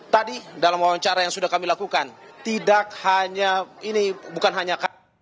tadi dalam wawancara yang sudah kami lakukan tidak hanya ini bukan hanya